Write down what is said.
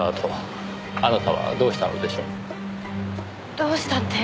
どうしたって。